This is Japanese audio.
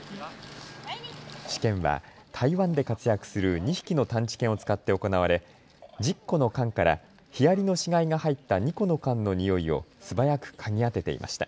試験は台湾で活躍する２匹の探知犬を使って行われ１０個の缶からヒアリの死骸が入った２個の缶のにおいを素早く嗅ぎ当てていました。